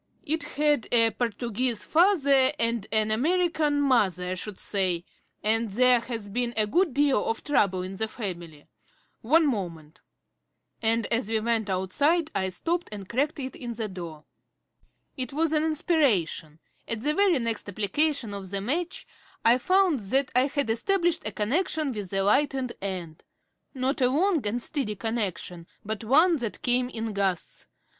It had a Portuguese father and an American mother, I should say, and there has been a good deal of trouble in the family. One moment" and as we went outside I stopped and cracked it in the door. It was an inspiration. At the very next application of the match I found that I had established a connection with the lighted end. Not a long and steady connection, but one that came in gusts.